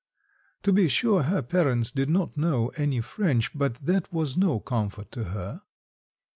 To be sure, her parents did not know any French, but that was no comfort to her.